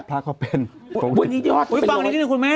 พระเขาเป็นโควิด